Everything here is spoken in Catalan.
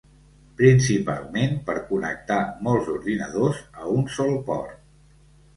Principalment, per connectar molts ordinadors a un sol port.